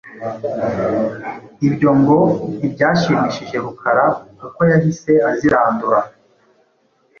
Ibyo ngo ntibyashimishije Rukara kuko yahise azirandura,